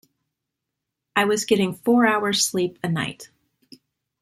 I was getting four hours sleep a night.